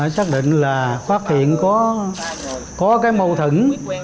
xác định là phát hiện có cái mâu thẫn